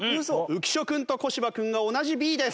浮所君と小柴君が同じＢです。